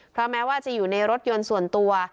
เพราะแม้ว่าจะอยู่ในรถยนต์ส่วนตัว